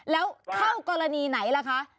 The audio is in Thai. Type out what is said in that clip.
แล้วเข้ากรณีไหนล่ะคะ